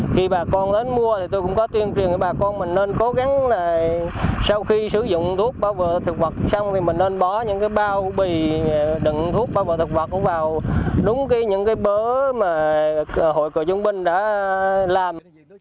khi bà con đến mua thì tôi cũng có tuyên truyền cho bà con mình nên cố gắng là sau khi sử dụng thuốc bảo vệ thực vật xong thì mình nên bỏ những cái bao bì đựng thuốc bảo vệ thực vật cũng vào đúng những cái bớ mà hội cửa chung binh đã làm